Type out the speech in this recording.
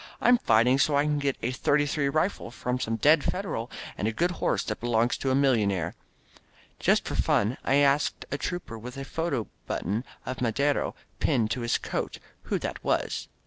^^I'm fighting so I can get a thirty thirty rifle from some dead Federal, and a good horse that belonged to a millionaire." Just for fun I asked a trooper with a photo button of Madero pinned to his coat who that was.